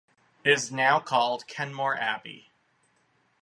It is now called Kenmore Abbey.